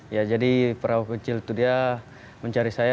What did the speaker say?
ya jadi perahu kecil itu dia mencari saya